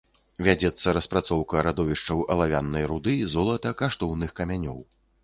Вядзецца распрацоўка радовішчаў алавянай руды, золата, каштоўных камянёў.